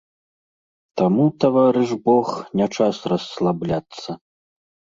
Таму, таварыш бог, не час расслабляцца!